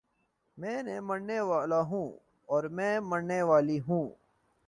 میں مرنے والا ہوں اور میں مرنے والی ہوں